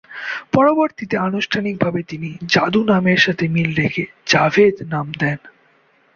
পরবর্তীতে আনুষ্ঠানিকভাবে তিনি 'জাদু' নামের সাথে মিল রেখে জাভেদ নাম নেন।